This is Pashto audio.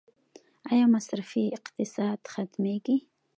آیا مصرفي اقتصاد ختمیږي؟